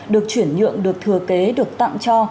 được chuyển nhượng được thừa kế được tặng cho